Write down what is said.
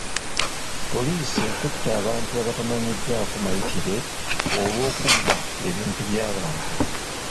Poliisi ekutte abantu abatamanyiddwako mayitire olw'okubba ebintu by'abantu.